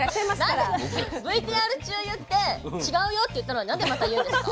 なんでＶＴＲ中言って違うよって言ったのになんでまた言うんですか。